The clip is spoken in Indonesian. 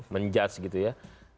menjudge gitu ya